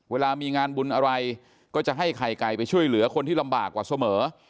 เวลามีงานบุญอะไรก็จะให้ไข่ไก่ไปช่วยเหลือคนที่ลำบากกว่าเสมอ